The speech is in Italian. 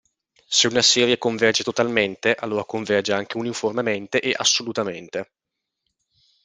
Se una serie converge totalmente, allora converge anche uniformemente e assolutamente.